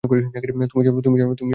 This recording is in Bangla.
তুমি জানো, আমি ইহুদী।